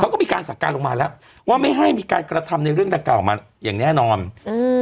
ก็มีการสั่งการลงมาแล้วว่าไม่ให้มีการกระทำในเรื่องดังกล่ามาอย่างแน่นอนอืม